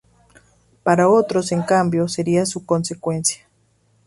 Para otros, en cambio, sería su consecuencia.